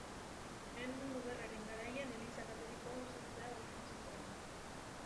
Lehen Mundu Gerraren garaian eliza katolikoa zuzentzea egokitu zitzaion.